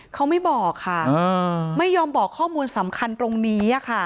เขาไม่บอกค่ะไม่ยอมบอกข้อมูลสำคัญตรงนี้ค่ะ